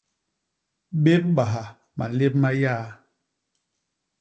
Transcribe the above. Bébbaha malép ma yaa.